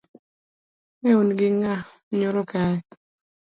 Neun gi ng'a nyoro ka